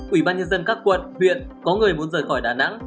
ủy ban nhân dân các quận huyện có người muốn rời khỏi đà nẵng